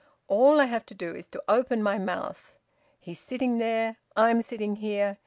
All I have to do is to open my mouth. He's sitting there. I'm sitting here.